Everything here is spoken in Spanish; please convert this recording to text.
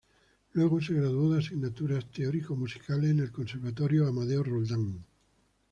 Luego se graduó de Asignaturas teórico musicales en el conservatorio Amadeo Roldán.